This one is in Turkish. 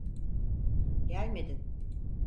Gelmedin.